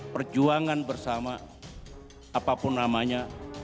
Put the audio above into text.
perjuangan bersama apapun namanya